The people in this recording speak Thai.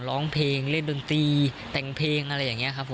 ร้องเพลงเล่นดนตรีแต่งเพลงอะไรอย่างนี้ครับผม